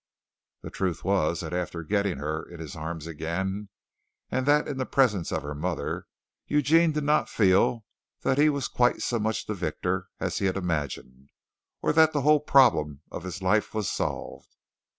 The truth was that after getting her in his arms again, and that in the presence of her mother, Eugene did not feel that he was quite so much the victor as he had imagined, or that the whole problem of his life was solved.